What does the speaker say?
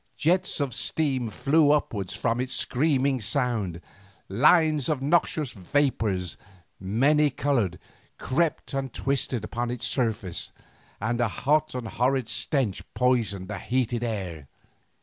Jets of steam flew upwards from it with a screaming sound, lines of noxious vapours, many coloured, crept and twisted on its surface, and a hot and horrid stench poisoned the heated air.